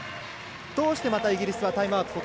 どうしてまたイギリスはタイムアウトを？